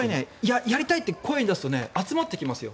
やりたいって声に出すと集まってきますよ。